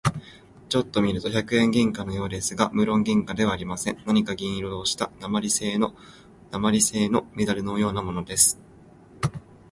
ちょっと見ると百円銀貨のようですが、むろん銀貨ではありません。何か銀色をした鉛製なまりせいのメダルのようなものです。